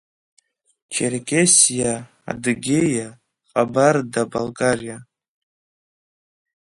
Черкессиа, Адыгеиа, Ҟабарда-Балкариа.